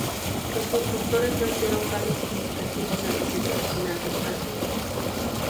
Los constructores no hicieron cambios significativos al diseño original del cabildo.